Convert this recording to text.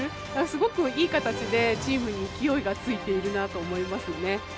すごくいい形でチームに勢いがついているなと思いますね。